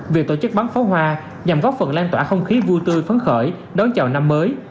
việc tổ chức bắn pháo hoa nhằm góp phần lan tỏa không khí vui tươi phấn khởi đón chào năm mới